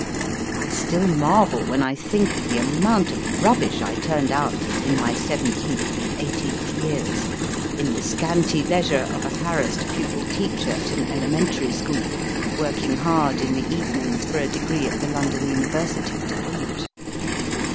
I still marvel when I think of the amount of rubbish I turned out in my seventeenth and eighteenth years, in the scanty leisure of a harassed pupil teacher at an elementary school, working hard in the evenings for a degree at the London University to boot.